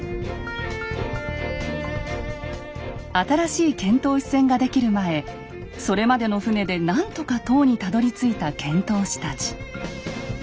新しい遣唐使船が出来る前それまでの船で何とか唐にたどりついた遣唐使たち。